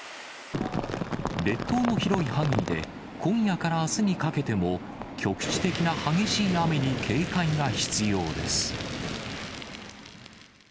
列島の広い範囲で、今夜からあすにかけても、局地的な激しい雨に警戒が必要です。